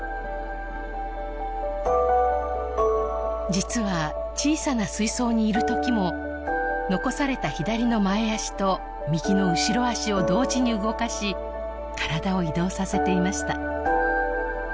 実は小さな水槽にいるときも残された左の前足と右の後ろ足を同時に動かし体を移動させていました